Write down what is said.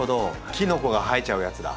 キノコが生えちゃうやつだ。